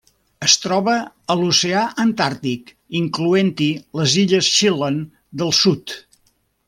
Es troba a l'Oceà Antàrtic, incloent-hi les Illes Shetland del Sud.